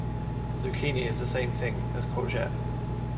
Zucchini is the same thing as courgette